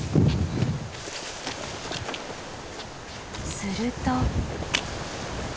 すると。